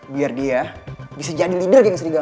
biar dia bisa jadi leader geng serigala